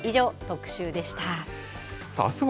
以上、特集でした。